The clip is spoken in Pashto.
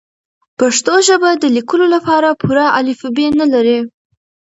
پښتو ژبه د لیکلو لپاره پوره الفبې نلري.